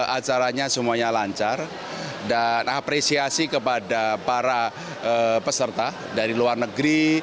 acaranya semuanya lancar dan apresiasi kepada para peserta dari luar negeri